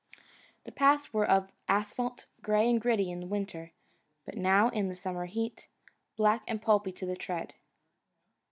The paths were of asphalt, gray and gritty in winter, but now, in the summer heat, black and pulpy to the tread.